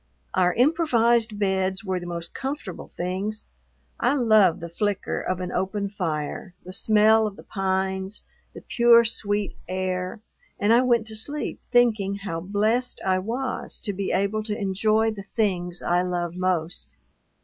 Our improvised beds were the most comfortable things; I love the flicker of an open fire, the smell of the pines, the pure, sweet air, and I went to sleep thinking how blest I was to be able to enjoy the things I love most.